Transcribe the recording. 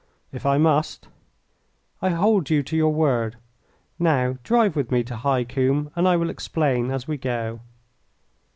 "If I must." "I hold you to your word. Now drive with me to High Combe, and I will explain as we go."